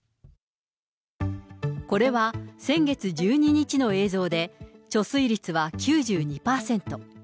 これは先月１２日の映像で、貯水率は９２％。